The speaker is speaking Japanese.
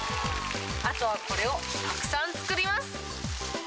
あとはこれをたくさん作ります。